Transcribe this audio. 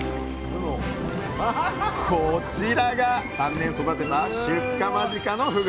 こちらが３年育てた出荷間近のふぐ。